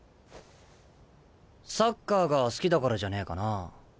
サッカーが好きだからじゃねえかな。